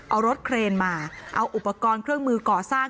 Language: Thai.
เอารถเครนมาเอาอุปกรณ์เครื่องมือก่อสร้าง